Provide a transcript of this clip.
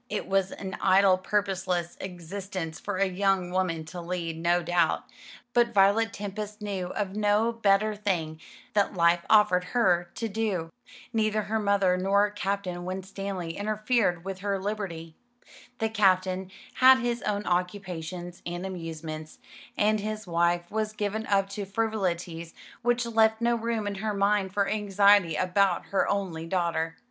It was an idle purposeless existence for a young woman to lead, no doubt; but Violet Tempest knew of no better thing that life offered her to do. Neither her mother nor Captain Winstanley interfered with her liberty. The Captain had his own occupations and amusements, and his wife was given up to frivolities which left no room in her mind for anxiety about her only daughter.